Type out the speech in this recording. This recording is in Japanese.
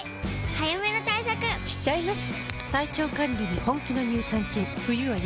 早めの対策しちゃいます。